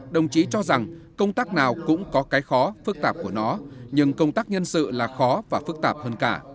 đồng chí cho rằng công tác nào cũng có cái khó phức tạp của nó nhưng công tác nhân sự là khó và phức tạp hơn cả